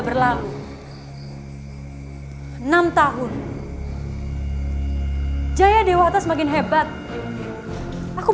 semoga applicants nya likes